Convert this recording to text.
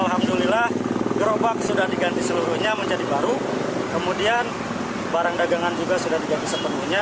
alhamdulillah gerobak sudah diganti seluruhnya menjadi baru kemudian barang dagangan juga sudah diganti sepenuhnya